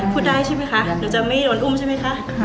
พูดได้ใช่ไหมคะเดี๋ยวจะไม่โอนตะนุมใช่ไหมคะ